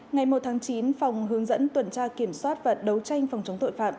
ngày một tháng chín phòng hướng dẫn tuần tra kiểm soát và đấu tranh phòng chống tội phạm